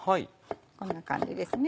こんな感じですね。